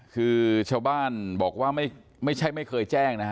คือชาวบ้านบอกว่าไม่ใช่ไม่เคยแจ้งนะฮะ